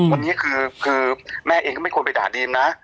วันนี้คือแม่เองก็ไม่ควรไปด่าดีนนะ